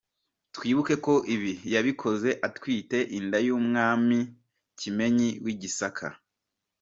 Twibuke ko ibi yabikoze atwite inda y’umwami Kimenyi w’i Gisaka.